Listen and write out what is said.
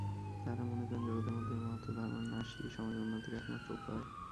তাঁহারা মনে করেন, জগতের মধ্যে এই মহত্তর ধর্মের নাশই সমাজের উন্নতির একমাত্র উপায়।